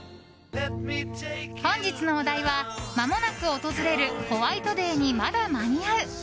本日のお題はまもなく訪れるホワイトデーにまだ間に合う！